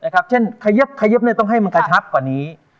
เช่นขยิบต้องให้มันกระชับกว่านี้